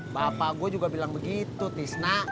bapak gue juga bilang begitu tisna